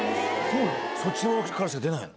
そっちの側からしか出ないの？